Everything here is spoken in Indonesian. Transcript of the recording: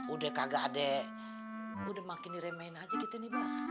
udah kagak adek udah makin diremehin aja kita nih bang